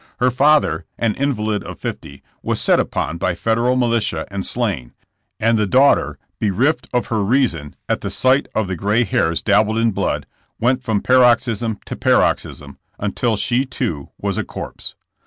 Her father, an invalid of fifty, was set upon by Federal militia and slain, and the daughter, bereft of her reason at the sight of the gray hairs dabbled in blood, went from paroxysm to paroxysm, until she too was a corpse.